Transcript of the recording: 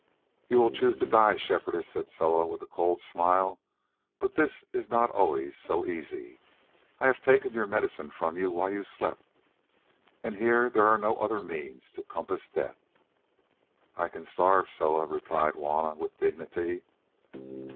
"You will choose to die, Shepherdess," said Soa with a cold smile, "but this is not always so easy. I have taken your medicine from you while you slept, and here there are no other means to compass death." "I can starve, Soa," replied Juanna with dignity.